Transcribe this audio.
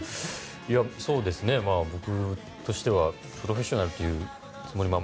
僕としてはプロフェッショナルというつもりも。